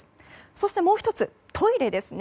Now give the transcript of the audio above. そしてもう１つトイレですね。